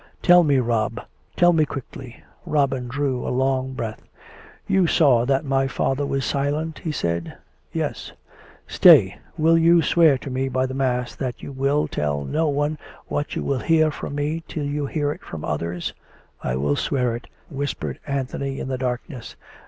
" Tell me, Rob ; tell me quickly." Robin drew a long breath. " You s'aw that my father was silent ?" he said. " Yes." " Stay. ... Will you swear to me by the mass that you will tell no one what you will hear from me till you hear it from others.'' "" I will swear it," whispered Anthony in the darkness.